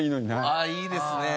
ああいいですね。